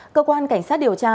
cơ quan cảnh sát điều tra